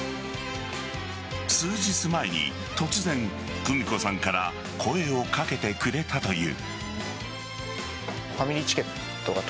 数日前に突然久美子さんから声を掛けてくれたという。